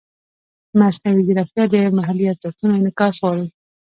مصنوعي ځیرکتیا د محلي ارزښتونو انعکاس غواړي.